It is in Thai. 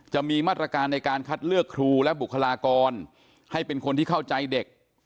จะมีมาตรการในการคัดเลือกครูและบุคลากรให้เป็นคนที่เข้าใจเด็ก